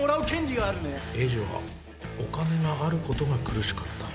栄治はお金があることが苦しかった。